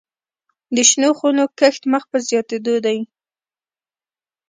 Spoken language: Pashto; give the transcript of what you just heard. د شنو خونو کښت مخ په زیاتیدو دی